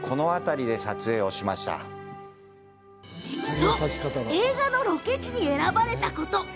そう、映画のロケ地に選ばれたこと。